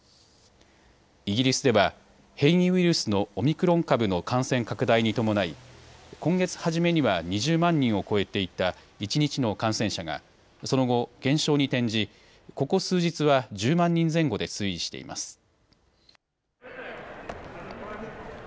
イギリスでは変異ウイルスのオミクロン株の感染拡大に伴い今月初めには２０万人を超えていた一日の感染者がその後、減少に転じここ数日は１０万人前後で推移しています。